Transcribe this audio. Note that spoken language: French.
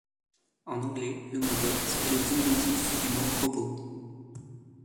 En anglais, le mot bot est le diminutif du mot robot.